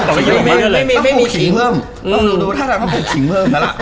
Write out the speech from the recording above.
ต้องปลูกขิงเพิ่มต้องดูท่าด่ารังต้องปลูกขิงเพิ่มนะล่ะ